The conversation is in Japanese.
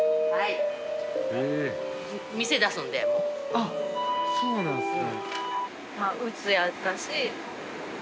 あっそうなんすね。